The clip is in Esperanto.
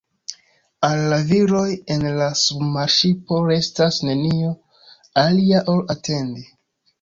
Al la viroj en la submarŝipo restas nenio alia ol atendi.